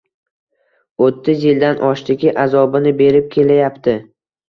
O‘ttiz yildan oshdiki azobini berib kelayapti.